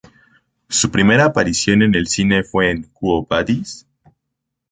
Su primera aparición en el cine fue en "Quo Vadis?